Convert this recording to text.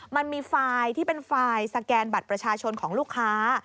มันมีไฟล์ที่เป็นไฟล์สแกนบัตรประชาชนของลูกค้า